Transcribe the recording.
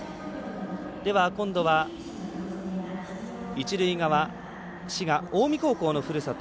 では、今度は一塁側滋賀、近江高校のふるさと